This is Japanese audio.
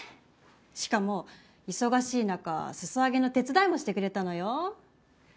しかも忙しいなか裾上げの手伝いもしてくれたのよ。